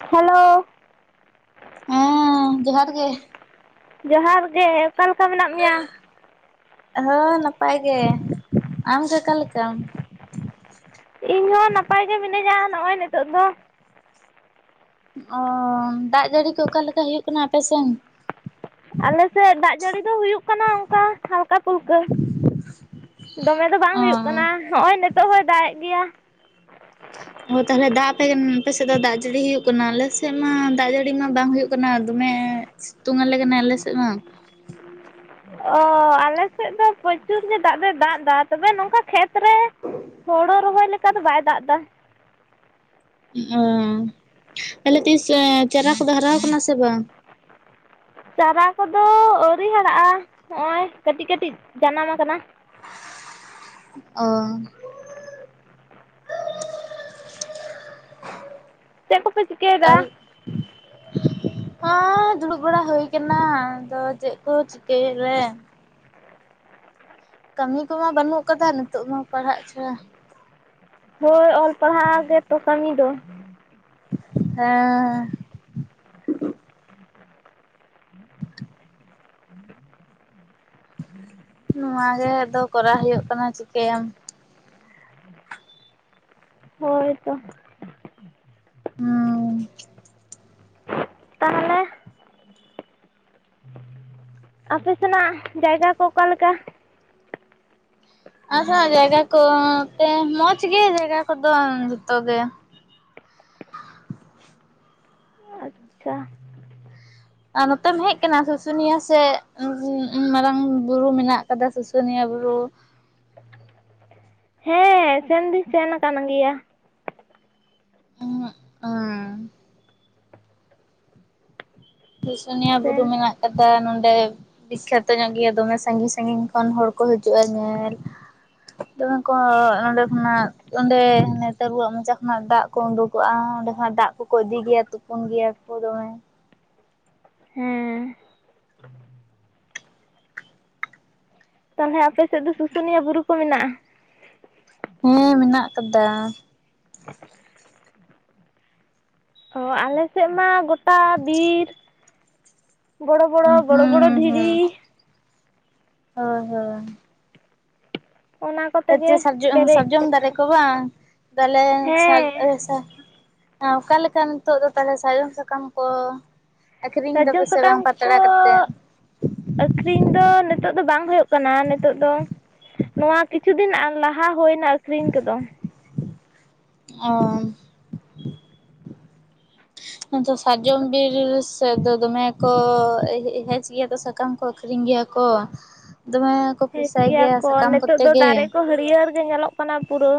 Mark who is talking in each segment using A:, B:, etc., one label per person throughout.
A: [inaudible] Hello!
B: ᱚᱸ ᱡᱚᱦᱟᱨ ᱜᱮ ᱾
A: ᱡᱚᱦᱟᱨ ᱜᱮ ᱚᱠᱟ ᱞᱮᱠᱟ ᱢᱮᱱᱟᱜ ᱢᱮᱭᱟ?
B: ᱦᱳᱭ ᱱᱟᱯᱟᱭ ᱜᱮ, ᱟᱢ ᱜᱮ ᱚᱠᱟ ᱞᱮᱠᱟ?
A: ᱤᱧ ᱦᱚᱸ ᱱᱟᱯᱟᱭ ᱜᱮ ᱢᱤᱱᱟᱹᱧᱟ, ᱱᱚᱜᱼᱚᱭ ᱱᱤᱛᱚᱜ ᱫᱚ ᱾
B: ᱚ, ᱫᱟᱜ ᱡᱟᱹᱲᱤ ᱠᱚ ᱚᱠᱟ ᱞᱮᱠᱟ ᱦᱩᱭᱩᱜ ᱠᱟᱱᱟ ᱟᱯᱮᱥᱮᱱ?
A: ᱟᱞᱮᱥᱮᱱ ᱫᱟᱜ ᱡᱟᱹᱲᱤ ᱫᱚ ᱦᱩᱭᱩᱜ ᱠᱟᱱᱟ ᱚᱱᱠᱟᱼᱼ ᱦᱟᱞᱠᱟ ᱯᱷᱩᱞᱠᱟᱹ, ᱫᱚᱢᱮ ᱫᱚ ᱵᱟᱝ ᱦᱩᱭᱩᱜ ᱠᱟᱱᱟ ᱾ ᱦᱚᱜᱼᱚᱭ ᱱᱤᱛᱚᱜ ᱦᱚᱸᱭ ᱫᱟᱜᱮᱫ ᱜᱮᱭᱟ ᱾
B: ᱚ ᱛᱟᱦᱚᱞᱮ ᱫᱟᱜ ᱯᱮ ᱟᱯᱮᱥᱮᱫ ᱫᱚ ᱫᱟᱜ ᱡᱟᱹᱲᱤ ᱦᱩᱭᱩᱜ ᱠᱟᱱᱟ ᱟᱞᱮᱥᱮᱫ ᱢᱟ ᱫᱟᱜ ᱡᱟᱹᱲᱤ ᱢᱟ ᱵᱟᱝ ᱦᱩᱭᱩᱜᱼᱼ ᱠᱟᱱᱟ ᱫᱚᱢᱮ, ᱥᱤᱛᱩᱝ ᱟᱞᱮ ᱠᱟᱱᱟ ᱟᱞᱮ ᱥᱮᱫ ᱢᱟ ᱾
A: ᱚᱻ ᱟᱞᱮ ᱥᱮᱫ ᱫᱚ ᱯᱨᱚᱪᱩᱨ ᱜᱮ ᱫᱟᱜ ᱫᱚ ᱫᱟᱜ ᱮᱫᱟ ᱛᱚᱵᱮ ᱱᱚᱝᱠᱟ ᱠᱷᱮᱛᱼᱼ ᱠᱚᱨᱮ ᱦᱳᱲᱩ ᱨᱚᱦᱚᱭ ᱞᱮᱠᱟ ᱫᱚ ᱵᱟᱭ ᱫᱟᱜ ᱮᱫᱟ ᱾
B: ᱚ, ᱛᱟᱦᱚᱞᱮ ᱛᱤᱥ ᱪᱟᱨᱟ ᱠᱚᱫᱚ ᱦᱟᱨᱟ ᱠᱟᱱᱟ ᱥᱮ ᱵᱟᱝ?
A: ᱪᱟᱨᱟ ᱠᱚᱫᱚ ᱟᱹᱣᱨᱤ ᱦᱟᱨᱟᱜᱼᱟ, ᱱᱚᱜᱼᱚᱭ ᱠᱟᱹᱴᱤᱡ ᱠᱟᱹᱴᱤᱡ ᱡᱟᱱᱟᱢ ᱟᱠᱟᱱᱟ ᱾
B: ᱚ
A: ᱪᱮᱫ ᱠᱚᱯᱮᱼᱼ
B: ᱛᱟᱦ [unintelligible]
A: [unintelligible]
B: ᱦᱮᱸ ᱫᱩᱲᱩᱵ ᱵᱟᱲᱟ ᱦᱩᱭ ᱠᱟᱱᱟ, ᱟᱫᱚ ᱪᱮᱫ ᱠᱚ ᱪᱤᱠᱟᱹᱭᱟᱞᱮ ᱾ ᱠᱟᱹᱢᱤ ᱠᱚᱢᱟ ᱵᱟᱹᱱᱩᱜ ᱠᱟᱫᱟ ᱱᱤᱛᱚᱜ ᱢᱟ ᱯᱟᱲᱦᱟᱜ ᱪᱷᱟᱲᱟ ᱾
A: ᱦᱚᱭ ᱚᱞ ᱯᱟᱲᱦᱟᱜ ᱜᱮᱛᱚ ᱠᱟᱹᱢᱤ ᱫᱚ ᱾
B: ᱦᱮᱸ ᱱᱚᱣᱟ ᱜᱮ ᱫᱚ ᱠᱚᱨᱟᱣ ᱦᱩᱭᱩᱜ ᱠᱟᱱᱟ ᱪᱤᱠᱟᱹᱭᱟᱢ ᱾
A: ᱦᱩᱲᱩ ᱠᱚ ᱾
B: ᱦᱩᱸ
A: ᱛᱟᱦᱚᱞᱮ ᱟᱯᱮ ᱥᱮᱱᱟᱜ ᱡᱟᱭᱜᱟ ᱠᱚ ᱚᱠᱟᱞᱮᱠᱟ?
B: ᱟᱵᱚᱭᱟᱜ ᱡᱟᱭᱜᱟ ᱠᱚ, ᱛᱮ ᱢᱚᱡᱽ ᱜᱮ ᱡᱟᱭᱜᱟ ᱠᱚᱫᱚ ᱡᱚᱛᱚ ᱜᱮ ᱾
A: ᱟᱪᱪᱷᱟ
B: ᱟᱨ ᱱᱚᱛᱮᱢ ᱦᱮᱡ ᱠᱟᱱᱟ ᱥᱩᱥᱩᱱᱤᱭᱟᱹ ᱥᱮᱫ ᱢᱟᱨᱟᱝ ᱵᱩᱨᱩ ᱢᱮᱱᱟᱜ ᱟᱠᱟᱫᱟ ᱥᱩᱥᱩᱱᱤᱭᱟᱹ ᱵᱩᱨᱩ ᱾
A: ᱦᱮᱸ ᱥᱮᱱ ᱫᱩᱧ ᱥᱮᱱ ᱠᱟᱱ ᱜᱮᱭᱟ ᱾
B: [unintelligible] ᱥᱩᱥᱩᱱᱤᱭᱟᱹ ᱵᱩᱨᱩ
A: ᱥᱮᱱ
B: ᱢᱮᱱᱟᱜ ᱟᱠᱟᱫᱟ ᱚᱸᱰᱮ ᱾ ᱵᱤᱠᱠᱷᱟᱛᱚ ᱧᱚᱜ ᱜᱮᱭᱟ ᱫᱚᱢᱮ ᱥᱟᱺᱜᱤᱧ ᱥᱟᱺᱜᱤᱧ ᱠᱷᱚᱱ ᱦᱚᱲ ᱠᱚ ᱦᱤᱡᱩᱜᱼᱟ ᱧᱮᱞ ᱾ ᱫᱚᱢᱮ [unintelligible] ᱠᱚ ᱱᱚᱸᱰᱮ ᱠᱷᱚᱱᱟᱜ ᱾ ᱚᱸᱰᱮ ᱱᱮ ᱛᱟᱨᱩᱣᱟᱹᱜ ᱢᱚᱪᱟ ᱠᱷᱚᱱᱟᱜ ᱫᱟᱜ ᱠᱚ ᱩᱰᱩᱠᱚᱜᱼᱟ, ᱚᱸᱰᱮ ᱠᱷᱚᱱᱟᱜ ᱫᱟᱜ ᱠᱚᱠᱚ ᱤᱫᱤ ᱜᱮᱭᱟ ᱛᱚ ᱾ ᱛᱩᱯᱩᱱ ᱜᱮᱭᱟ ᱠᱚ ᱫᱚᱢᱮ ᱾
A: ᱦᱮᱸ ᱛᱟᱦᱚᱞᱮ ᱟᱯᱮ ᱥᱮᱫ ᱫᱚ ᱥᱩᱥᱩᱱᱤᱭᱟᱹ ᱵᱩᱨᱩ ᱠᱚ ᱢᱮᱱᱟᱜᱼᱟ?
B: ᱦᱮᱸ ᱢᱮᱱᱟᱜ ᱠᱟᱫᱟ ᱾
A: ᱚ ᱟᱞᱮᱥᱮᱫ ᱢᱟ ᱜᱚᱴᱟ ᱵᱤᱨᱼᱼ ᱵᱚᱲᱚ ᱵᱚᱲᱚ,
B: ᱦᱩᱸ
A: ᱵᱚᱲᱚ ᱵᱚᱲᱚ ᱫᱷᱤᱨᱤᱼᱼ
B: ᱦᱩᱸ ᱦᱚᱭ ᱦᱚᱭ
A: ᱚᱱᱟ ᱠᱚᱛᱮ ᱜᱮ
B: ᱥᱟᱨᱡᱚ ᱥᱟᱨᱡᱚᱢ,
A: ᱯᱮᱨᱮᱡ
B: ᱥᱟᱨᱡᱚᱢ ᱫᱟᱨᱮ
A: ᱟᱠᱟᱱᱟ
B: ᱠᱚ ᱵᱟᱝ ᱛᱟᱦᱞᱮ ᱥᱟᱡ ᱮ
A: ᱦᱮᱸ
B: [unintelligible] ᱚ ᱚᱠᱟᱞᱮᱠᱟ ᱱᱤᱛᱚᱜ ᱫᱚ ᱛᱟᱦᱚᱞᱮ ᱥᱟᱨᱚᱢ ᱥᱟᱠᱟᱢ ᱠᱚ? ᱟᱠᱷᱨᱤᱧ ᱫᱟ ᱯᱮ
A: ᱥᱟᱨᱡᱚᱢ
B: ᱥᱮ ᱵᱟᱝ
A: ᱥᱟᱠᱟᱢ ᱠᱚ
B: ᱯᱟᱛᱲᱟ ᱠᱟᱛᱮᱫ ᱾
A: ᱟᱹᱠᱷᱨᱤᱧ ᱫᱚ ᱱᱤᱛᱚᱜ ᱫᱚ ᱵᱟᱝ ᱦᱩᱭᱩᱜ ᱠᱟᱱᱟ, ᱱᱤᱛᱚᱜ ᱫᱚ ᱾ ᱱᱚᱣᱟ ᱠᱤᱪᱷᱩ ᱫᱤᱱ ᱟᱨ ᱞᱟᱦᱟ ᱦᱩᱭᱱᱟ ᱟᱹᱠᱷᱨᱤᱧ ᱠᱚᱫᱚ ᱾
B: ᱚᱻ ᱟᱫᱚ ᱥᱟᱨᱡᱚᱢ ᱵᱤᱨ ᱥᱮᱫ ᱫᱚ ᱫᱚᱢᱮ ᱠᱚ ᱦᱮᱡ ᱜᱮᱭᱟ ᱛᱚ ᱥᱟᱠᱟᱢ ᱥᱟᱠᱟᱢ ᱠᱚ ᱟᱹᱠᱷᱨᱤᱧ ᱜᱮᱭᱟ ᱠᱚ ᱫᱚᱢᱮ ᱠᱚ
A: ᱦᱮᱡ
B: ᱯᱚᱭᱥᱟᱭ
A: ᱜᱮᱭᱟ ᱠᱚ
B: ᱥᱟᱠᱟᱢ
A: ᱱᱤᱛᱚᱜ
B: ᱠᱚᱛᱮ
A: ᱫᱚ
B: ᱜᱮ
A: ᱫᱟᱨᱮ ᱠᱚ ᱦᱟᱹᱨᱭᱟᱹᱲ ᱜᱮ ᱧᱮᱞᱚᱜ ᱠᱟᱱᱟ ᱯᱩᱨᱟᱹ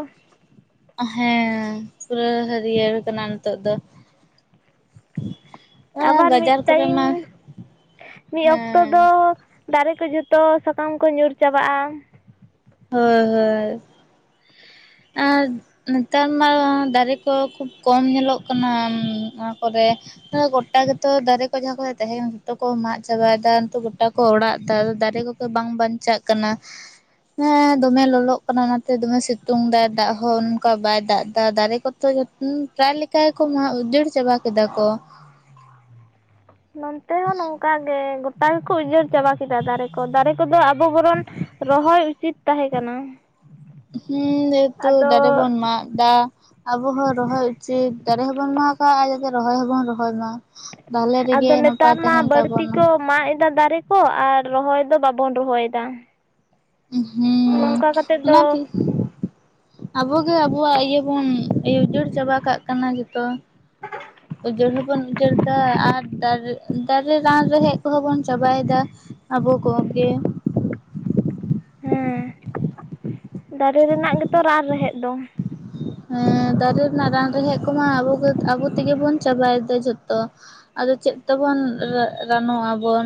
B: ᱦᱮᱸ ᱯᱩᱨᱟᱹ ᱦᱟᱹᱨᱭᱟᱹᱲ ᱠᱟᱱᱟ ᱱᱤᱛᱚᱜ ᱫᱚ
A: ᱟᱵᱟᱨ ᱢᱤᱫ
B: ᱵᱟᱡᱟᱨ ᱠᱚᱨᱮ
A: ᱴᱟᱭᱤᱢ
B: ᱢᱟ
A: ᱢᱤᱫ ᱚᱠᱛᱚ
B: ᱦᱮᱸ
A: ᱫᱚ ᱫᱟᱨᱮ ᱠᱚ ᱡᱚᱛᱚ ᱥᱟᱠᱟᱢ ᱠᱚ ᱧᱩᱨ ᱪᱟᱵᱟᱜᱼᱟ
B: ᱦᱳᱭ ᱦᱳᱭ ᱟᱨ ᱱᱮᱛᱟᱨ ᱢᱟ ᱫᱟᱨᱮ ᱠᱚ ᱠᱷᱩᱵ ᱠᱚᱢ ᱧᱮᱞᱚᱜ ᱠᱟᱱᱟ ᱚᱱᱟ ᱠᱚᱨᱮ ᱜᱚᱴᱟ ᱜᱮᱛᱚ ᱫᱟᱨᱮ ᱠᱚ ᱡᱟᱦᱟᱸ ᱠᱚᱨᱮ ᱛᱟᱦᱮᱱ ᱡᱚᱛᱚ ᱠᱚ ᱢᱟᱜ ᱪᱟᱵᱟᱭᱮᱫᱟ ᱱᱤᱛᱚᱜ ᱜᱚᱴᱟ ᱠᱚ ᱚᱲᱟᱜ ᱫᱟ ᱫᱟᱨᱮ ᱠᱚ ᱵᱟᱝ ᱵᱟᱧᱪᱟᱜ ᱠᱟᱱᱟ ᱦᱮᱸ ᱫᱚᱢᱮ ᱞᱚᱞᱚᱜ ᱠᱟᱱᱟ ᱚᱱᱟᱛᱮ ᱫᱚᱢᱮ ᱥᱤᱛᱩᱝ ᱫᱟᱭ ᱫᱟᱜ ᱦᱚᱸ ᱚᱱᱠᱟ ᱵᱟᱭ ᱫᱟᱜ ᱮᱫᱟ ᱫᱟᱨᱮ ᱠᱚᱛᱚ ᱡᱚᱛᱚ ᱯᱨᱟᱭ ᱞᱮᱠᱟ ᱜᱮ ᱠᱚ ᱩᱡᱟᱹᱲ ᱪᱟᱵᱟ ᱠᱮᱫᱟ ᱠᱚ
A: ᱞᱚᱱ
B: [unintelligible]
A: ᱚᱱᱠᱟᱜᱮ ᱜᱚᱴᱟ ᱜᱮᱠᱚ ᱩᱡᱟᱹᱲ ᱪᱟᱵᱟ ᱠᱮᱫᱟ ᱫᱟᱨᱮ ᱠᱚ ᱫᱟᱨᱮ ᱠᱚᱫᱚ ᱟᱵᱚ ᱵᱚᱨᱚᱱ ᱨᱚᱦᱚᱭ ᱩᱪᱤᱛ ᱛᱟᱦᱮᱸᱠᱟᱱᱟ
B: ᱦᱩᱸ ᱡᱮᱦᱮᱛᱩ ᱫᱟᱨᱮ ᱵᱚᱱ ᱢᱟᱜ ᱫᱟ ᱟᱵᱚ ᱦᱚᱸ ᱨᱚᱦᱚᱭ ᱩᱪᱤᱛ ᱫᱟᱨᱮ ᱦᱚᱸᱵᱚᱱ ᱢᱟᱜᱟ ᱟᱨ ᱡᱟᱛᱮ ᱨᱚᱦᱚᱭ ᱦᱚᱸᱵᱚᱱ ᱨᱚᱦᱚᱭ ᱢᱟ ᱵᱷᱟᱞᱮ ᱨᱮᱜᱮ
A: ᱟᱫᱚ
B: ᱱᱟᱯᱟᱭ
A: ᱱᱮᱛᱟᱨ ᱢᱟ
B: ᱛᱟᱦᱮᱱ ᱛᱟᱵᱚᱱ
A: ᱵᱟᱹᱲᱛᱤ
B: ᱢᱟ
A: ᱠᱚ ᱢᱟᱜ ᱮᱫᱟ ᱫᱟᱨᱮ ᱠᱚ ᱟᱨ ᱨᱚᱦᱚᱭ ᱫᱚ ᱵᱟᱵᱚᱱ ᱨᱚᱦᱚᱭᱮᱫᱟ
B: ᱦᱩᱸᱻ
A: ᱱᱚᱝᱠᱟ ᱠᱟᱛᱮᱫ ᱫᱚ
B: ᱚᱱᱟᱛᱮ ᱟᱵᱚᱜᱮ ᱟᱵᱚᱣᱟᱜ ᱤᱭᱟᱹ ᱵᱚᱱ ᱩᱡᱟᱹᱲ ᱪᱟᱵᱟᱠᱟᱜ ᱠᱟᱱᱟ ᱡᱚᱛᱚ ᱩᱡᱟᱹᱲ ᱦᱚᱸᱵᱚᱱ ᱩᱡᱟᱹᱲ ᱮᱫᱟ ᱟᱨ ᱫᱟᱨᱮ ᱫᱟᱨᱮ ᱨᱟᱱ ᱨᱮᱦᱮᱫᱽ ᱠᱚᱦᱚᱸ ᱵᱚᱱ ᱪᱟᱵᱟᱭᱮᱫᱟ ᱟᱵᱚ ᱠᱚᱜᱮ
A: ᱦᱮᱸ ᱫᱟᱨᱮ ᱨᱮᱱᱟᱜ ᱜᱮᱛᱚ ᱨᱟᱱ ᱨᱮᱦᱮᱫ ᱫᱚ
B: ᱦᱩᱸ ᱫᱟᱨᱮ ᱨᱮᱱᱟᱜ ᱨᱟᱱ ᱨᱮᱦᱮᱫ ᱠᱚᱢᱟ ᱟᱵᱚ ᱜᱮ ᱟᱵᱚ ᱛᱮᱜᱮ ᱵᱚᱱ ᱪᱟᱵᱟᱭᱮᱫᱟ ᱡᱷᱚᱛᱚ ᱟᱫᱚ ᱪᱮᱫ ᱛᱮᱵᱚᱱ ᱨᱟᱱᱚᱜ ᱟᱵᱚᱱ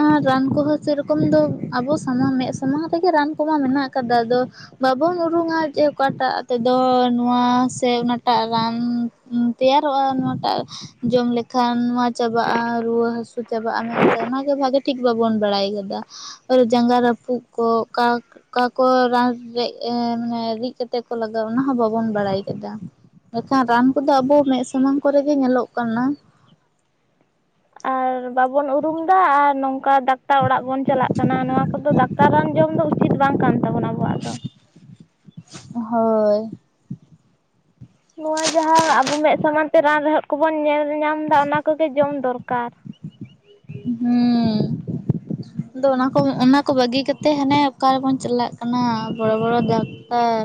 B: ᱟᱨ ᱨᱟᱱ ᱠᱚᱦᱚᱸ ᱥᱮᱨᱚᱠᱚᱢ ᱫᱚ ᱟᱵᱚ ᱥᱟᱢᱟᱝ ᱢᱮᱫ ᱥᱟᱢᱟᱝᱟᱴ ᱨᱮᱜᱮ ᱨᱟᱱ ᱠᱚᱢᱟ ᱢᱮᱱᱟᱜ ᱟᱠᱟᱫᱟ ᱟᱫᱚ ᱵᱟᱵᱚᱱ ᱩᱨᱩᱝᱟ ᱡᱮ ᱚᱠᱟᱴᱟᱜ ᱛᱮᱫᱚ ᱱᱚᱣᱟ ᱥᱮ ᱚᱱᱟᱴᱟᱜ ᱨᱟᱱ ᱛᱮᱭᱟᱨᱚᱜᱼᱟ ᱱᱚᱣᱟᱴᱟᱜ ᱡᱚᱢ ᱞᱮᱠᱷᱟᱱ ᱱᱚᱣᱟ ᱪᱟᱵᱟᱜᱼᱟ ᱨᱩᱣᱟᱹ ᱦᱟᱹᱥᱩ ᱪᱟᱵᱟᱜᱼᱟ ᱢᱮᱱᱛᱮ ᱚᱱᱟᱜᱮ ᱵᱷᱟᱜᱤ ᱴᱷᱤᱠ ᱵᱟᱵᱚᱱ ᱵᱟᱲᱟᱭ ᱠᱟᱫᱟ ᱟᱹᱨ ᱡᱟᱸᱜᱟ ᱨᱟᱹᱯᱩᱫ ᱠᱚ ᱚᱠᱟ ᱚᱠᱟ ᱠᱚ ᱨᱟᱱ ᱨᱮ ᱨᱤᱫ ᱠᱟᱛᱮ ᱠᱚ ᱞᱟᱜᱟᱼᱟ ᱚᱱᱟ ᱦᱚᱸ ᱵᱟᱵ ᱵᱚᱱ ᱵᱟᱲᱟᱭ ᱠᱮᱫᱟ ᱢᱮᱱᱠᱷᱟᱱ ᱨᱟᱱ ᱠᱚᱫᱚ ᱟᱵᱚ ᱢᱮᱫ ᱥᱟᱢᱟᱝ ᱠᱚᱨᱮ ᱜᱮ ᱧᱮᱞᱚᱜ ᱠᱟᱱᱟ
A: ᱟᱨ ᱵᱟᱵᱚᱱ ᱩᱨᱩᱢᱫᱟ ᱟᱨ ᱱᱚᱝᱠᱟ ᱰᱟᱠᱛᱟᱨ ᱚᱲᱟᱜ ᱵᱚᱱ ᱪᱟᱞᱟᱜ ᱠᱟᱱᱟ ᱱᱚᱣᱟ ᱠᱚᱫᱚ ᱰᱟᱠᱛᱟᱨ ᱨᱟᱱ ᱡᱚᱢ ᱫᱚ ᱩᱪᱤᱛ ᱵᱟᱝ ᱠᱟᱱ ᱛᱟᱵᱚᱱᱟ ᱟᱵᱚᱣᱟᱜ ᱫᱚ
B: ᱦᱳᱭ
A: ᱱᱚᱣᱟ ᱡᱟᱦᱟᱸ ᱟᱵᱚ ᱢᱮᱫ ᱥᱟᱢᱟᱝ ᱛᱮ ᱨᱟᱱ ᱨᱮᱦᱮᱫ ᱠᱚᱵᱚᱱ ᱧᱮᱞ ᱧᱟᱢ ᱮᱫᱟ ᱚᱱᱟ ᱠᱚᱜᱮ ᱡᱚᱢ ᱫᱚᱨᱠᱟᱨ
B: ᱦᱩᱸ ᱟᱫᱚ ᱚᱱᱟ ᱠᱚ ᱚᱱᱟ ᱠᱚ ᱵᱟᱹᱜᱤ ᱠᱟᱛᱮ ᱦᱟᱱᱮ ᱚᱠᱟ ᱨᱮᱵᱚᱱ ᱪᱟᱞᱟᱜ ᱠᱟᱱᱟ ᱵᱚᱲᱚ ᱵᱚᱲᱚ ᱰᱟᱠᱼᱼ ᱟᱨ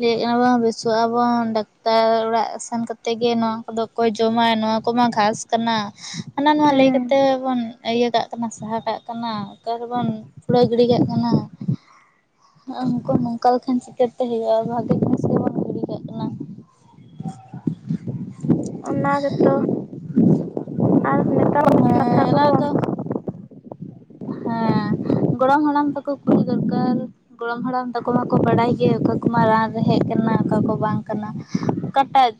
B: ᱞᱟᱹᱭ ᱠᱟᱱᱟᱵᱚᱱ ᱵᱮᱥᱚᱜ ᱟᱵᱚᱱ ᱰᱟᱠᱛᱟᱨ ᱚᱲᱟᱜ ᱥᱮᱱ ᱠᱟᱛᱮ ᱜᱮ ᱱᱚᱣᱟ ᱠᱚᱫᱚ ᱚᱠᱚᱭ ᱡᱚᱢᱟᱭ ᱱᱚᱣᱟ ᱠᱚᱢᱟ ᱜᱷᱟᱥ ᱠᱟᱱᱟ ᱦᱟᱱᱟ ᱱᱚᱣᱟ ᱞᱟᱹᱭ
A: ᱦᱮᱸ
B: ᱠᱟᱛᱮ ᱵᱚᱱ ᱤᱭᱟᱹ ᱠᱟᱜ ᱠᱟᱱᱟ ᱥᱟᱦᱟ ᱠᱟᱜ ᱠᱟᱱᱟ ᱚᱠᱟᱨᱮᱵᱚᱱ ᱩᱯᱷᱲᱟᱹ ᱜᱤᱰᱤ ᱠᱟᱜ ᱠᱟᱱᱟ ᱩᱱᱠᱩ ᱱᱚᱝᱠᱟ ᱞᱮᱠᱷᱟᱱ ᱪᱤᱠᱟᱹᱛᱮ ᱦᱤᱭᱳᱜᱼᱟ ᱵᱷᱟᱜᱤ ᱡᱤᱱᱤᱥ ᱜᱮᱵᱚᱱ ᱜᱤᱰᱤ ᱠᱟᱜ ᱠᱟᱱᱟ
A: [unintelligible] ᱚᱱᱟ ᱜᱮᱛᱚ ᱟᱨ ᱱᱮᱛᱟᱨᱪ [unintelligible]
B: ᱦᱮᱸ
A: ᱠᱟᱛᱷᱟ
B: ᱚᱱᱟ
A: ᱠᱚᱦᱚᱸ᱾
B: ᱫᱚ ᱦᱮᱸ ᱜᱚᱲᱚᱢ ᱦᱟᱲᱟᱢ ᱛᱟᱠᱚ ᱠᱩᱞᱤ ᱫᱚᱨᱠᱟᱨ᱾ ᱜᱚᱲᱚᱢ ᱦᱟᱲᱟᱢ ᱛᱟᱠᱚ ᱢᱟᱠᱚ ᱵᱟᱲᱟᱭ ᱜᱮ ᱚᱠᱟ ᱠᱚᱢᱟ ᱨᱟᱱ ᱨᱮ ᱦᱮᱡ ᱟᱠᱟᱱᱟ ᱚᱠᱟ ᱠᱚ ᱵᱟᱝ ᱠᱟᱱᱟ ᱚᱠᱟᱴᱟᱜ᱾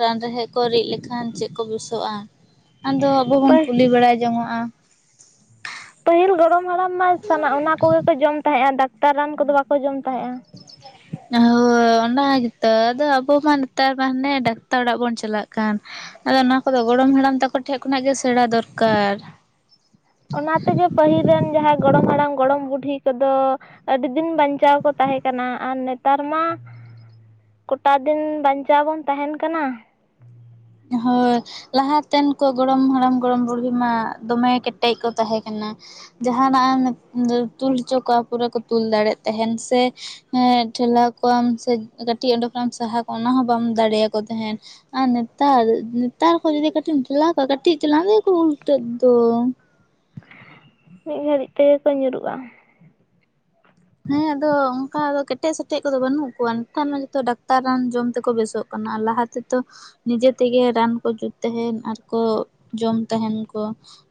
B: ᱨᱟᱱ ᱨᱮᱦᱮᱫ ᱠᱚ ᱨᱤᱫ ᱞᱮᱠᱷᱟᱱ ᱪᱮᱫ ᱠᱚ ᱵᱩᱮᱥᱚᱜᱼᱟ ᱟᱫᱚ᱾ ᱟᱵᱚ ᱵᱚᱱ
A: ᱯᱟᱹ
B: ᱠᱩᱞᱤ ᱵᱟᱲᱟ ᱡᱚᱝᱚᱜᱼᱟ᱾
A: ᱯᱟᱹᱦᱤᱞ ᱜᱚᱲᱚᱢ ᱦᱟᱲᱟᱢ ᱢᱟ ᱥᱟᱱᱟ ᱚᱱᱟ ᱠᱚᱜᱮ ᱠᱚ ᱡᱚᱢ ᱛᱟᱦᱮᱸᱜᱼᱟ ᱰᱟᱠᱛᱟᱨ ᱨᱟᱱ ᱠᱚᱫᱚ ᱵᱟᱠᱚ ᱡᱚᱢ ᱛᱟᱦᱮᱸᱜᱼᱟ᱾
B: [unintelligible] ᱚᱱᱟ ᱜᱮᱛᱚ ᱟᱫᱚ ᱟᱵᱚ ᱢᱟ ᱱᱮᱛᱟᱨ ᱢᱟ ᱦᱟᱱᱮ ᱰᱟᱠᱛᱟᱨ ᱚᱲᱟᱜ ᱵᱚᱱ ᱪᱟᱞᱟᱜ ᱠᱟᱱ᱾ ᱟᱫᱚ ᱚᱱᱟ ᱠᱚᱫᱚ ᱜᱚᱲᱚᱢ ᱦᱟᱲᱟᱢ ᱛᱟᱠᱚ ᱴᱷᱮᱡ ᱠᱷᱚᱱᱟᱜ ᱜᱮ ᱥᱮᱬᱟ ᱫᱚᱨᱠᱟᱨ᱾
A: ᱚᱱᱟ ᱛᱮᱜᱮ᱾ ᱯᱟᱹᱦᱤᱞ ᱨᱮᱱ ᱡᱟᱦᱟᱸᱭ ᱜᱚᱲᱚᱢ ᱦᱟᱲᱟᱢ ᱜᱚᱲᱚᱢ ᱵᱩᱰᱷᱤ ᱠᱚᱫᱚ᱾ ᱟᱹᱰᱤ ᱫᱤᱱ ᱵᱟᱧᱪᱟᱣ ᱠᱚ ᱛᱟᱦᱮᱸ ᱠᱟᱱᱟ ᱟᱨ ᱱᱮᱛᱟᱨ ᱢᱟ᱾ ᱠᱚᱴᱟ ᱫᱤᱱ ᱵᱟᱧᱪᱟᱣ ᱵᱚᱱ ᱛᱟᱦᱮᱱ ᱠᱟᱱᱟ᱾
B: ᱦᱳᱭ᱾ ᱞᱟᱦᱟᱛᱮᱱ ᱠᱚ ᱜᱚᱲᱚᱢ ᱦᱟᱲᱟᱢ ᱜᱚᱲᱚᱢ ᱵᱩᱲᱰᱦᱤ ᱢᱟ ᱫᱚᱢᱮ ᱠᱮᱴᱮᱡ ᱠᱚ ᱛᱟᱦᱮᱸ ᱠᱟᱱᱟ᱾ ᱡᱟᱦᱟᱱᱟᱜ ᱛᱩᱞ ᱦᱚᱪᱚ ᱠᱚᱣᱟ ᱯᱩᱨᱟᱹ ᱠᱚ ᱛᱩᱞ ᱫᱟᱲᱮᱭᱟᱜ ᱛᱟᱦᱮᱱ ᱥᱮ᱾ ᱦᱮᱸ ᱴᱷᱮᱞᱟᱣ ᱠᱚᱣᱟᱢ ᱥᱮ ᱠᱟᱹᱴᱤᱡ ᱚᱰᱮᱸ ᱠᱷᱚᱱᱮᱢ ᱥᱟᱦᱟ ᱠᱚᱣᱟ ᱚᱱᱟ ᱦᱚᱸ ᱵᱟᱢ ᱫᱟᱲᱮᱭᱟ ᱠᱚ ᱛᱟᱦᱮᱸᱫ᱾ ᱟᱨ ᱱᱮᱛᱟᱨ ᱱᱮᱛᱟᱨ ᱠᱚ ᱡᱩᱫᱤ ᱠᱟᱹᱴᱤᱡ ᱴᱷᱮᱞᱟᱣ ᱠᱚᱣᱟ ᱠᱟᱹᱴᱤᱡ ᱛᱟᱞᱟᱝ ᱛᱮ ᱜᱮ ᱩᱞᱴᱟᱹᱜ ᱫᱚ᱾
A: ᱢᱤᱫ ᱜᱷᱟᱹᱲᱤᱡ ᱛᱮᱜᱮ ᱠᱚ ᱧᱩᱨᱩᱜᱼᱟ᱾
B: ᱦᱮᱸ ᱟᱫᱚ ᱚᱱᱠᱟ ᱫᱚ ᱠᱮᱴᱮᱡ ᱥᱮᱴᱮᱡ ᱠᱚᱫᱚ ᱵᱟᱹᱱᱩᱜ ᱠᱚᱣᱟ ᱱᱮᱛᱟᱨ ᱢᱟ ᱡᱷᱚᱛᱚ ᱰᱟᱠᱛᱟᱨ ᱨᱟᱱ ᱡᱚᱢ ᱛᱮᱠᱚ ᱵᱮᱥᱚᱜ᱾ ᱠᱟᱱᱟ ᱟᱨ ᱞᱟᱦᱟ ᱛᱮᱫᱚ᱾ ᱱᱤᱡᱮ ᱛᱮᱜᱮ ᱨᱟᱱ ᱠᱚ ᱡᱩᱛ ᱛᱟᱦᱮᱱ ᱟᱨᱠᱚ ᱡᱚᱢ ᱛᱟᱦᱮᱱ ᱠᱚ᱾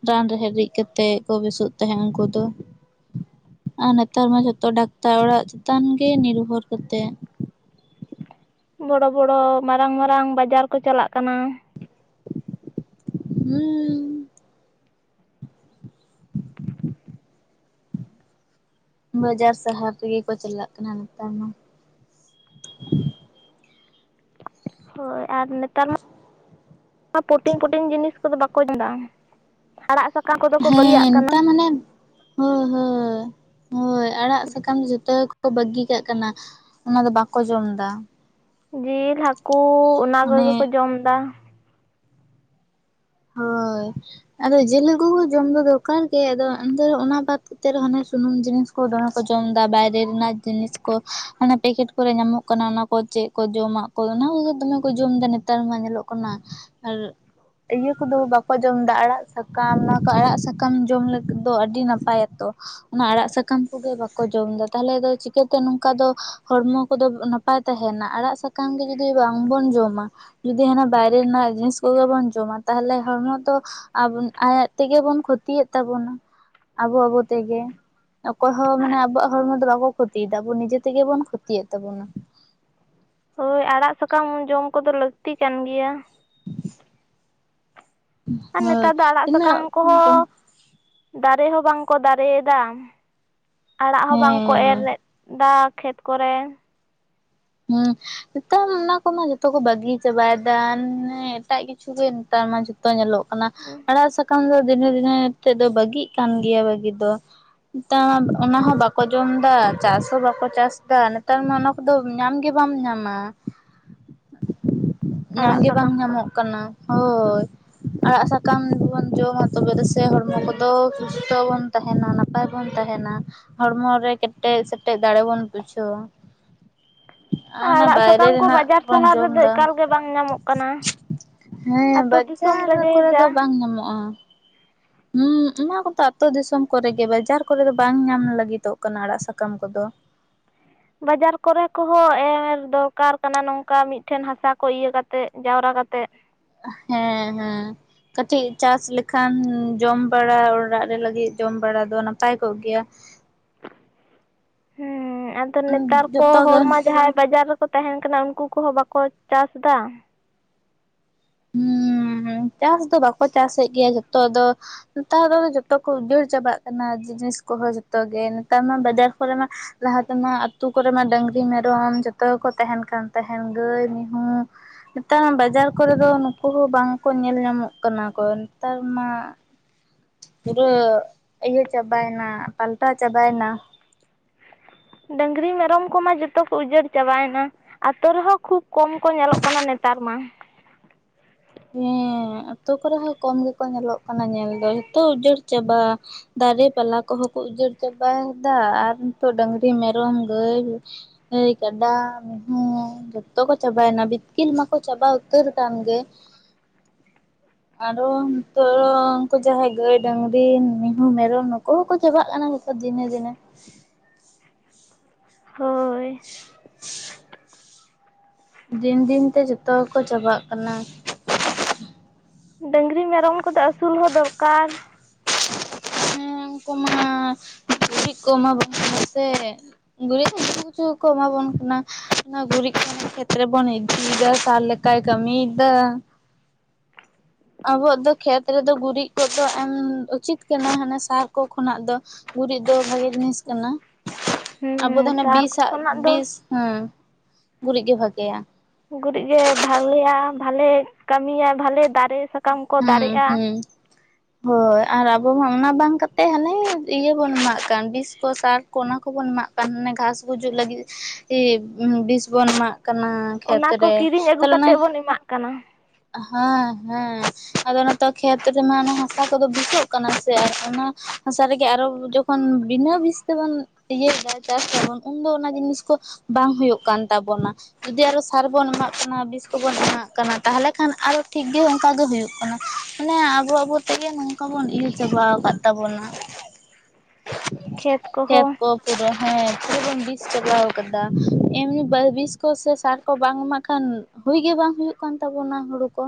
B: ᱨᱟᱱ ᱨᱮᱦᱮᱫ ᱨᱤᱫ ᱠᱟᱛᱮᱜ ᱠᱚ ᱵᱮᱥᱚᱜ ᱛᱟᱦᱮᱸᱫ ᱩᱱᱠᱩ ᱫᱚ ᱟᱨ ᱱᱮᱛᱟᱨ ᱢᱟ ᱡᱚᱛᱚ ᱰᱟᱠᱛᱟᱨ ᱚᱲᱟᱜ ᱪᱮᱛᱟᱱ ᱜᱮ ᱱᱤᱨᱵᱷᱚᱨ ᱠᱟᱛᱮᱫ᱾
A: ᱵᱚᱲᱚ ᱵᱚᱲᱚ ᱢᱟᱨᱟᱝ ᱢᱟᱨᱟᱝ ᱵᱟᱡᱟᱨ ᱠᱚ ᱪᱟᱞᱟᱜ ᱠᱟᱱᱟ᱾
B: ᱦᱩᱸ [unintelligible] ᱵᱟᱡᱟᱨ ᱦᱟᱨ ᱨᱮᱜᱮ ᱠᱚ ᱪᱟᱞᱟᱜ ᱠᱟᱱᱟ ᱱᱮᱛᱟᱨ ᱢᱟ᱾
A: ᱦᱳᱭ ᱟᱨ ᱱᱮᱛᱟᱨ ᱢᱟ ᱯᱚᱴᱤᱱ ᱯᱚᱴᱤᱱ ᱡᱤᱱᱤᱥ ᱠᱚᱫᱚ ᱵᱟᱠᱚ ᱡᱚᱢᱟ᱾ ᱟᱲᱟᱜ ᱥᱟᱠᱟᱢ ᱠᱚᱫᱚ ᱠᱚ ᱵᱟᱹᱜᱤᱭᱟᱜ
B: ᱦᱮᱸ
A: ᱠᱟᱱᱟ᱾
B: ᱱᱮᱛᱟᱨ ᱢᱟᱱᱮ ᱦᱳᱭ ᱦᱳ ᱦᱳᱭ ᱟᱲᱟᱜ ᱥᱟᱠᱟᱢ ᱫᱚ ᱡᱷᱚᱛᱚ ᱜᱮᱠᱚ ᱵᱟᱹᱜᱤ ᱠᱟᱜ ᱠᱟᱱᱟ᱾ ᱚᱱᱟ ᱫᱚ ᱵᱟᱠᱚ ᱡᱚᱢ ᱫᱟ᱾
A: ᱡᱤᱞ ᱦᱟᱹᱠᱩ ᱚᱱᱟ
B: ᱚᱱᱮ
A: ᱠᱚᱜᱮ ᱠᱚ ᱡᱚᱢ ᱮᱫᱟ᱾
B: ᱦᱳᱭ ᱟᱫᱚ ᱡᱤᱞ, ᱦᱟᱹᱠᱩ ᱠᱚ ᱦᱚᱸ ᱡᱚᱢ ᱫᱚ ᱫᱚᱨᱠᱟᱨ ᱜᱮ ᱟᱫᱚ ᱮᱱᱛᱮ ᱚᱱᱟ ᱵᱟᱫᱽ ᱮᱱᱛᱮ ᱨᱮ ᱦᱚᱸ ᱦᱟᱱᱮ ᱥᱩᱱᱩᱢ ᱡᱤᱱᱤᱥ ᱠᱚ ᱫᱚᱢᱮ ᱠᱚ ᱡᱚᱢ ᱮᱫᱟ ᱵᱟᱭᱨᱮ ᱨᱮᱱᱟᱜ ᱡᱤᱱᱤᱥ ᱠᱚ ᱦᱟᱱᱮ ᱯᱮᱠᱮᱴ ᱠᱚᱨᱮ ᱧᱟᱢᱚᱜ ᱠᱟᱱᱟ ᱚᱱᱟ ᱠᱚ᱾ ᱠᱚ ᱪᱮᱫ ᱠᱚ ᱡᱚᱢᱟᱜ ᱠᱚ ᱚᱱᱟ ᱠᱚᱜᱮ ᱫᱚᱢᱮ ᱠᱚ ᱡᱚᱢ ᱮᱫᱟ ᱱᱮᱛᱟᱨ ᱢᱟ ᱧᱮᱞᱚᱜ ᱠᱟᱱᱟ ᱟᱨ᱾ ᱤᱭᱟᱹ ᱠᱚᱫᱚ ᱵᱟᱠᱚ ᱡᱚᱢ ᱮᱫᱟ ᱟᱲᱟᱜ ᱥᱟᱠᱟᱢ ᱚᱱᱟ ᱠᱚ ᱟᱲᱟᱜ ᱥᱟᱠᱟᱢ ᱡᱚᱢ ᱞᱟᱹᱜᱤᱫ ᱫᱚ ᱟᱹᱰᱤ ᱱᱟᱯᱟᱭᱟ ᱛᱚ᱾ ᱚᱱᱟ ᱟᱲᱟᱜ ᱥᱟᱠᱟᱢ ᱠᱚᱜᱮ ᱵᱟᱠᱚ ᱡᱚᱢᱫᱟ ᱛᱟᱦᱞᱮ ᱫᱚ ᱪᱤᱠᱟᱹᱛᱮ ᱱᱚᱝᱠᱟ ᱫᱚ ᱦᱚᱲᱢᱚ ᱠᱚᱫᱚ᱾ ᱱᱟᱯᱟᱭ ᱛᱟᱦᱮᱱᱟ ᱟᱲᱟᱜ ᱥᱟᱠᱟᱢ ᱜᱮ ᱡᱩᱫᱤ ᱵᱟᱝ ᱵᱚᱱ ᱡᱚᱢᱟ ᱡᱩᱫᱤ ᱦᱟᱱᱟ ᱵᱟᱭᱨᱮ ᱨᱮᱱᱟᱜ ᱡᱤᱱᱤᱥ ᱠᱚᱜᱮ ᱵᱚᱱ᱾ ᱡᱚᱢᱟ ᱛᱟᱦᱚᱞᱮ ᱦᱚᱲᱢᱚ ᱫᱚ ᱟᱭᱡ ᱟᱭᱡ ᱛᱮᱜᱮ ᱵᱚᱱ ᱠᱷᱚᱛᱤᱭᱮᱫ ᱛᱟᱵᱚᱱᱟ᱾ ᱟᱵᱚ ᱟᱵᱚ ᱛᱮᱜᱮ᱾ ᱚᱠᱚᱭ ᱦᱚᱸ ᱢᱟᱱᱮ ᱟᱵᱚᱣᱟᱜ ᱦᱚᱲᱢᱚ ᱫᱚ ᱵᱟᱠᱚ ᱠᱷᱚᱛᱤᱭᱮᱫᱟ ᱟᱵᱚ ᱱᱤᱡᱮ ᱛᱮᱜᱮ ᱵᱚᱱ ᱠᱷᱚᱛᱤᱭᱮᱫ ᱛᱟᱵᱚᱱᱟ᱾
A: ᱦᱳᱭ ᱟᱲᱟᱜ ᱥᱟᱠᱟᱢ ᱡᱚᱢ ᱠᱚᱫᱚ ᱞᱟᱹᱠᱛᱤ ᱠᱟᱱ ᱜᱮᱭᱟ᱾ ᱟᱨ
B: ᱦᱳᱭ
A: ᱱᱮᱛᱟᱨ ᱫᱚ ᱟᱲᱟᱜ
B: ᱛᱤᱱᱟᱹᱜ
A: ᱥᱟᱠᱟᱢ ᱠᱚᱦᱚᱸ᱾ ᱫᱟᱨᱮ ᱦᱚᱸ ᱵᱟᱝᱠᱚ ᱫᱟᱨᱮᱭᱮᱫᱟ ᱟᱲᱟᱜ ᱦᱚᱸ ᱵᱟᱝᱠᱚ
B: ᱦᱮᱸ
A: ᱮᱨᱮᱫᱟ ᱠᱷᱮᱛ, ᱠᱚᱨᱮ᱾
B: ᱦᱩᱸ, ᱱᱮᱛᱟᱨ ᱚᱱᱟ ᱠᱚᱢᱟ ᱡᱚᱛᱚ ᱠᱚ ᱵᱟᱹᱜᱤ ᱪᱟᱵᱟᱭᱮᱫᱟ ᱮᱴᱟᱜ ᱠᱤᱪᱷᱩ ᱜᱮ ᱱᱮᱛᱟᱨ ᱢᱟ ᱡᱚᱛᱚ ᱧᱮᱞᱚᱜ, ᱠᱟᱱᱟ ᱟᱲᱟᱜ ᱥᱟᱠᱟᱢ ᱫᱚ ᱫᱤᱱᱟᱹ ᱫᱤᱱᱟᱹ ᱛᱮᱫ ᱫᱚ ᱵᱟᱹᱜᱤ ᱠᱟᱱ ᱜᱮᱭᱟ ᱵᱟᱹᱜᱤ ᱫᱚ᱾ ᱱᱮᱛᱟᱨ ᱚᱱᱟ ᱦᱚᱸ ᱵᱟᱠᱚ ᱡᱚᱢ ᱫᱟ ᱪᱟᱥ ᱦᱚᱸ ᱵᱟᱠᱚ ᱪᱟᱥ ᱫᱟ ᱱᱮᱛᱟᱨ ᱢᱟ ᱚᱱᱟ ᱠᱚᱫᱚ, ᱧᱟᱢ ᱜᱮ ᱵᱟᱢ ᱧᱟᱢᱟ ᱧᱟᱢ
A: ᱟᱲᱟᱜ
B: ᱜᱮ ᱵᱟᱝ
A: ᱥᱟᱠᱟᱢ ᱠᱚᱫᱚ
B: ᱧᱟᱢᱚᱜ ᱠᱟᱱᱟ᱾ ᱦᱳᱭ, ᱟᱲᱟᱜ ᱥᱟᱠᱟᱢ ᱜᱮᱵᱚᱱ ᱡᱚᱢᱟ ᱛᱚᱵᱮ ᱫᱚ ᱥᱮ ᱦᱚᱲᱢᱚ ᱠᱚᱫᱚ ᱥᱩᱥᱛᱚ ᱵᱚᱱ ᱛᱟᱦᱮᱱᱟ ᱱᱟᱜ, ᱱᱟᱯᱟᱭ ᱵᱚᱱ ᱛᱟᱦᱮᱱᱟ ᱦᱚᱲᱢᱚ ᱨᱮ ᱠᱮᱴᱮᱜ ᱥᱮᱴᱮᱡᱜ ᱫᱟᱲᱮ ᱵᱚᱱ ᱵᱩᱡᱷᱟᱹᱣᱟ᱾ ᱟᱨ ᱚᱱᱟ
A: ᱟᱲᱟᱜ
B: ᱵᱟᱭᱨᱮ
A: ᱥᱟᱠᱟᱢ ᱠᱚ
B: ᱨᱮᱱᱟᱜ
A: ᱵᱟᱡᱟᱨ
B: ᱵᱚᱱ
A: ᱥᱟᱦᱟᱨ
B: ᱡᱚᱢ
A: ᱨᱮᱫᱚ
B: ᱫᱟ,
A: ᱮᱠᱟᱞ ᱜᱮ ᱵᱟᱝ ᱧᱟᱢᱚᱜ ᱠᱟᱱᱟ
B: ᱦᱮᱸ
A: ᱟᱛᱳ ᱫᱤᱥᱚᱢ
B: ᱵᱟᱡᱟᱨ
A: ᱨᱮᱜᱮ
B: ᱠᱚᱨᱮ ᱫᱚ
A: ᱡᱟ
B: ᱵᱟᱝ ᱧᱟᱢᱚᱜᱼᱟ᱾ ᱦᱩᱸ ᱚᱱᱟ ᱠᱚᱫᱚ ᱟᱛᱚ ᱫᱤᱥᱚᱢ ᱠᱚᱨᱮᱜᱮ ᱵᱟᱡᱟᱨ ᱠᱚᱨᱮ ᱫᱚ ᱵᱟᱝ ᱧᱟᱢ ᱞᱟᱹᱜᱤᱫᱚᱜ ᱠᱟᱱᱟ ᱟᱲᱟᱜ ᱥᱟᱠᱟᱢ ᱠᱚᱫᱚ,
A: ᱵᱟᱡᱟᱨ ᱠᱚᱨᱮ ᱠᱚᱦᱚᱸ ᱮᱨ ᱫᱚᱨᱠᱟᱨ ᱠᱟᱱᱟ ᱱᱚᱝᱠᱟ ᱢᱤᱫᱴᱷᱮᱱ ᱦᱟᱥᱟ ᱠᱚ ᱤᱭᱟᱹ ᱠᱟᱛᱮᱜ ᱡᱟᱣᱨᱟ ᱠᱟᱛᱮᱜ,
B: ᱦᱮᱸ ᱦᱮᱸ, ᱠᱟᱹᱴᱤᱡ ᱪᱟᱥ ᱞᱮᱠᱷᱟᱱ ᱡᱚᱢ ᱵᱟᱲᱟ ᱚᱲᱟᱜ ᱨᱮ ᱞᱟᱹᱜᱤᱫ ᱡᱚᱢ ᱵᱟᱲᱟ ᱫᱚ ᱱᱟᱯᱟᱭ ᱠᱚᱜ ᱜᱮᱭᱟ᱾
A: ᱦᱩᱸ ᱟᱫᱚ ᱱᱮᱛᱟᱨ ᱠᱚ
B: ᱡᱚᱛᱚ ᱜᱮ
A: ᱦᱚᱲ ᱢᱟ ᱡᱟᱦᱟᱸᱭ ᱵᱟᱡᱟᱨ, ᱠᱚ ᱛᱟᱦᱮᱱ ᱠᱟᱱᱟ ᱩᱱᱠᱩ ᱠᱚᱦᱚᱸ ᱵᱟᱠᱚ ᱪᱟᱥ ᱫᱟ᱾ [inaudible]
B: ᱦᱩᱸ ᱪᱟᱥ ᱫᱚ ᱵᱟᱠᱚ ᱪᱟᱥᱮᱫ ᱜᱮᱭᱟ ᱡᱷᱚᱛᱚ ᱫᱚ ᱱᱮᱛᱟᱨ ᱫᱚ ᱡᱚᱛᱚ ᱠᱚ ᱩᱡᱟᱹᱲ ᱪᱟᱵᱟᱜ ᱠᱟᱱᱟ ᱡᱤᱱᱤᱥ ᱠᱚᱦᱚᱸ ᱡᱚᱛᱚᱜ ᱜᱮ ᱱᱮᱛᱟᱨ ᱢᱟ ᱵᱟᱡᱟᱨ ᱠᱚᱨᱮ ᱢᱟ, ᱞᱟᱦᱟ ᱛᱮᱢᱟ ᱟᱹᱛᱩ ᱠᱚᱨᱮ ᱢᱟ ᱰᱟᱹᱝᱨᱤ ᱢᱮᱨᱚᱢ ᱡᱚᱛᱚ ᱜᱮᱠᱚ ᱛᱟᱦᱮᱱ ᱠᱟᱱ ᱛᱟᱦᱮᱱ ᱜᱟᱹᱭ ᱢᱤᱦᱩ, ᱱᱮᱛᱟᱨ ᱢᱟ ᱵᱟᱡᱟᱨ ᱠᱚᱨᱮ ᱫᱚ ᱱᱩᱠᱩ ᱦᱚᱸ ᱵᱟᱝᱠᱚ ᱧᱮᱞ ᱧᱟᱢᱚᱜ ᱠᱟᱱᱟ ᱠᱚ ᱱᱮᱛᱟᱨ ᱢᱟ, ᱯᱩᱨᱟᱹ ᱤᱭᱟᱹ ᱪᱟᱵᱟᱭᱮᱱᱟ ᱯᱟᱞᱴᱟᱣ ᱪᱟᱵᱟᱭᱮᱱᱟ᱾
A: ᱰᱟᱹᱝᱨᱤ ᱢᱮᱨᱚᱢ ᱠᱚᱢᱟ ᱡᱚᱛᱚ ᱠᱚ ᱩᱡᱟᱹᱲ ᱪᱟᱵᱟᱭᱮᱱᱟ, ᱟᱹᱛᱳ ᱨᱮᱦᱚᱸ ᱠᱷᱩᱵ ᱠᱚᱢ ᱠᱚ ᱧᱮᱞᱚᱜ ᱠᱟᱱᱟ ᱱᱮᱛᱟᱨ ᱢᱟ᱾ [inaudible]
B: ᱟᱸᱛᱳ ᱠᱚᱨᱮ ᱦᱚᱸ ᱠᱚᱢ ᱜᱮᱠᱚ ᱧᱮᱞᱚᱜ ᱠᱟᱱᱟ ᱧᱮᱞ ᱫᱚ ᱡᱚᱛᱚ ᱩᱡᱟᱹᱲ ᱪᱟᱵᱟ, ᱫᱟᱨᱮ ᱯᱟᱞᱟ ᱠᱚᱦᱚᱸ ᱠᱚ ᱩᱡᱟᱹᱲ ᱪᱟᱵᱟᱭᱮᱫᱟ ᱟᱨ ᱱᱤᱛᱚᱜ ᱰᱟᱝᱨᱤ ᱢᱮᱨᱚᱢ ᱜᱟᱹᱭ, ᱜᱟᱹᱭ ᱠᱟᱰᱟ ᱢᱤᱦᱩᱸ, ᱡᱚᱛᱚ ᱠᱚ ᱪᱟᱵᱟᱭᱮᱱᱟ ᱵᱤᱛᱠᱤᱞ ᱢᱟᱠᱚ ᱪᱟᱵᱟ ᱩᱛᱟᱹᱨ ᱟᱠᱟᱱ ᱜᱮ, ᱟᱨᱚ ᱱᱤᱛᱚᱜ ᱦᱚᱸ ᱩᱱᱠᱩ ᱡᱟᱦᱟᱸᱭ ᱜᱟᱹᱭ ᱰᱟᱹᱝᱨᱤ ᱢᱤᱦᱩ ᱢᱮᱨᱚᱢ ᱱᱩᱠᱩ ᱦᱚᱸᱠᱚ ᱪᱟᱵᱟᱜ ᱠᱟᱱᱟ, ᱛᱚ ᱫᱤᱱᱮ ᱫᱤᱱᱮ,
A: ᱦᱳᱭ,
B: ᱫᱤᱱ ᱫᱤᱱ ᱛᱮ ᱡᱷᱚᱛᱚ ᱜᱮᱠᱚ ᱪᱟᱵᱟᱜ ᱠᱟᱱᱟ᱾
A: ᱰᱟᱹᱝᱨᱤ ᱢᱮᱨᱚᱢ ᱠᱚᱫᱚ ᱟᱹᱥᱩᱞ ᱦᱚᱸ ᱫᱚᱨᱠᱟᱨ,
B: ᱦᱮᱸ ᱩᱱᱠᱩ ᱢᱟ ᱜᱩᱨᱤᱜ ᱠᱚᱢᱟ ᱵᱟᱝ ᱟᱥᱮ ᱜᱩᱨᱤᱜ ᱦᱚ ᱩᱱᱠᱩ ᱠᱤᱪᱷᱩ ᱠᱚ ᱮᱢᱟ ᱵᱚᱱ ᱠᱟᱱᱟ᱾ ᱚᱱᱟ ᱜᱩᱨᱤᱜ ᱠᱚᱦᱚᱸ ᱠᱷᱮᱛᱨᱮ ᱵᱚᱱ ᱤᱫᱤᱭᱮᱫᱟ ᱥᱟᱨ ᱞᱮᱠᱟᱭ ᱠᱟᱹᱢᱤᱭᱮᱫᱟ᱾ ᱟᱵᱚᱣᱟᱜ ᱫᱚ ᱠᱷᱮᱛ ᱨᱮᱫᱚ ᱜᱩᱨᱤᱜ ᱠᱚᱫᱚ ᱮᱢ ᱩᱪᱤᱛ ᱠᱟᱱᱟ ᱦᱟᱱᱮ ᱥᱟᱨ ᱠᱚ ᱠᱷᱚᱱᱟᱜ ᱫᱚ, ᱜᱩᱨᱤᱜ ᱫᱚ ᱵᱷᱟᱜᱤ ᱡᱤᱱᱤᱥ ᱠᱟᱱᱟ ᱟᱵᱚ ᱫᱚ
A: ᱦᱩᱸ
B: ᱦᱟᱱᱮ
A: ᱥᱟᱨ ᱠᱚ
B: ᱵᱤᱥᱟᱜ
A: ᱠᱷᱚᱱᱟᱜ ᱫᱚ
B: ᱵᱤᱥ, ᱦᱩᱸ ᱜᱩᱨᱤᱜ ᱜᱮ ᱵᱷᱟᱜᱮᱭᱟ᱾
A: ᱜᱩᱨᱤᱜ ᱜᱮ ᱵᱷᱟᱞᱮᱭᱟ ᱵᱷᱟᱞᱮ ᱠᱟᱹᱢᱤᱭᱟ ᱵᱷᱟᱞᱮ ᱫᱟᱨᱮ ᱥᱟ
B: ᱦᱩᱸ ᱦᱩᱸ᱾ ᱦᱳᱭ ᱟᱨ ᱟᱵᱚ ᱢᱟ ᱚᱱᱟ ᱵᱟᱝ ᱠᱟᱛᱮᱫ ᱦᱟᱱᱮ ᱤᱭᱟᱹ ᱵᱚᱱ ᱮᱢᱟᱜ ᱠᱟᱱ ᱵᱤᱥ ᱠᱚ ᱥᱟᱨ, ᱠᱚᱱᱟ ᱠᱚᱵᱚᱱ ᱮᱢᱟᱜ ᱠᱟᱱ ᱚᱱᱮ ᱜᱷᱟᱥ ᱜᱩᱡᱩᱜ ᱞᱟᱹᱜᱤᱫ ᱵᱤᱥ ᱵᱚᱱ ᱮᱢᱟᱜ ᱠᱟᱱᱟ ᱠᱷᱮᱛ
A: ᱚᱱᱟ ᱠᱚ
B: ᱨᱮ
A: ᱠᱤᱨᱤᱧ ᱟᱹᱜᱩ
B: ᱛᱟᱦᱚᱞᱮ ᱚᱱᱮ
A: ᱠᱟᱛᱮᱫ ᱵᱚᱱ ᱮᱢᱟᱜ ᱠᱟᱱᱟ
B: ᱦᱮᱸ ᱦᱮᱸ ᱟᱫᱚ ᱱᱤᱛᱚᱜ ᱠᱷᱮᱛ ᱨᱮᱱᱟᱜ ᱦᱟᱥᱟ ᱠᱚᱫᱚ ᱵᱤᱥᱚᱜ ᱠᱟᱱᱟ ᱥᱮ ᱚᱱᱟ ᱦᱟᱥᱟ ᱨᱮᱜᱮ ᱟᱨᱚ ᱡᱚᱠᱷᱚᱱ ᱵᱤᱱᱟᱹ ᱵᱤᱥ ᱛᱮᱵᱚᱱ ᱤᱭᱟᱹᱭᱮᱫᱟ ᱪᱟᱥ ᱫᱟᱵᱚᱱ ᱩᱱᱫᱚ ᱚᱱᱟ ᱡᱤᱱᱤᱥ ᱠᱚ ᱵᱟᱝ ᱦᱳᱭᱳᱜ ᱠᱟᱱ ᱛᱟᱵᱚᱱᱟ ᱡᱩᱫᱤ ᱟᱨᱚ ᱥᱟᱨ ᱵᱚᱱ ᱮᱢᱟᱜ ᱠᱟᱱᱟ ᱵᱤᱥ ᱠᱚᱵᱚᱱ ᱮᱢᱟᱜ ᱠᱟᱱᱟ ᱛᱟᱞᱦᱮ ᱠᱷᱟᱱ ᱟᱨᱚ ᱴᱷᱤᱠ ᱜᱮ ᱚᱱᱠᱟ ᱜᱮ ᱦᱩᱭᱩᱜ ᱠᱟᱱᱟ ᱢᱟᱱᱮ ᱟᱵᱚ ᱟᱵᱚ ᱛᱮᱜᱮ ᱱᱚᱝᱠᱟ ᱵᱚᱱ ᱤᱭᱟᱹ ᱪᱟᱵᱟᱣᱟᱠᱟᱫ ᱛᱟᱵᱚᱱᱟ ᱠᱷᱮᱛ ᱠᱚᱯ ᱛᱮᱫᱚ ᱦᱮᱸ ᱯᱩᱨᱟᱹᱵᱚᱱ ᱵᱤᱥ ᱪᱟᱵᱟᱣ ᱟᱠᱟᱫᱟ ᱮᱢᱱᱤ ᱵᱤᱥ ᱠᱚ ᱥᱮ ᱥᱟᱨ ᱠᱚ ᱵᱟᱝ ᱮᱢᱟᱜ ᱠᱷᱟᱱ ᱦᱩᱭ ᱜᱮ ᱵᱟᱝ ᱦᱩᱭᱩᱜ ᱠᱟᱱ ᱛᱟᱵᱚᱱᱟ ᱦᱳᱲᱳ ᱠᱚ